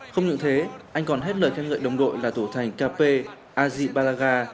không những thế anh còn hết lời khen ngợi đồng đội là thủ thành kp azi balaga